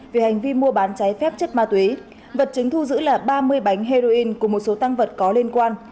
vì hành vi mua bán trái phép chất ma túy vật chứng thu giữ là ba mươi bánh heroin cùng một số tăng vật có liên quan